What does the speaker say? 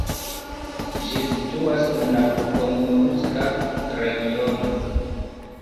Ĝi situas en la Pomurska regiono.